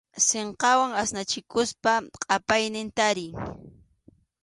Sinqawan asnachikuspa qʼapaynin tariy.